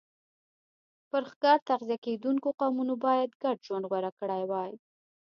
پر ښکار تغذیه کېدونکو قومونو باید ګډ ژوند غوره کړی وای